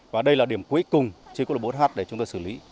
và đây là điểm cuối cùng trên quốc lộ bốn h để chúng tôi xử lý